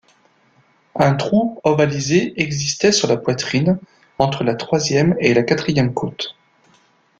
Un trou ovalisé existait sur la poitrine entre la troisième et la quatrième côte.